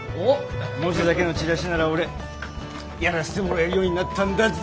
文字だけのチラシなら俺やらしてもらえるようになったんだぜ！